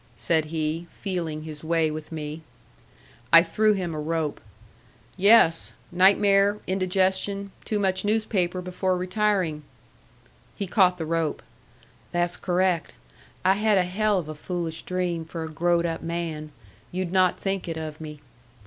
said he, feeling his way with me. I threw him a rope. "Yes. Nightmare indigestion too much newspaper before retiring." He caught the rope. "That's correct! I had a hell of a foolish dream for a growed up man. You'd not think it of me."